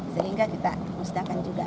sehingga kita musnahkan juga